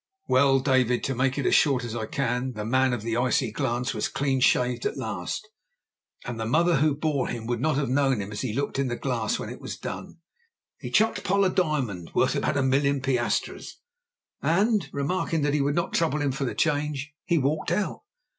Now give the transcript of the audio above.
Well, David, to make it as short as I can, the man of the icy glance was clean shaved at last, and the mother who bore him would not have known him as he looked in the glass when it was done. He chucked Poll a diamond worth about a million piastres, and, remarking that he would not trouble him for the change, he walked out.